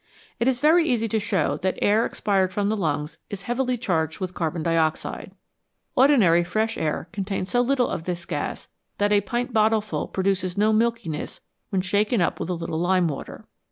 It is very easy to show that air expired from the lungs is heavily charged with carbon dioxide. Ordinary fresh air contains so little of this gas that a pint bottle full produces no milkiness when shaken up with a little lime water.